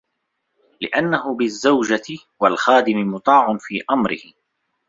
لِأَنَّهُ بِالزَّوْجَةِ وَالْخَادِمِ مُطَاعٌ فِي أَمْرِهِ